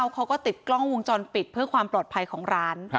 เขาก็ติดกล้องวงจรปิดเพื่อความปลอดภัยของร้าน